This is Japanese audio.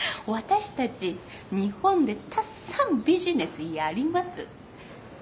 ワタシたち日本でたっさんビジネスやります。